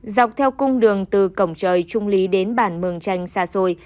dọc theo cung đường từ cổng trời trung lý đến bản mường tranh xa xôi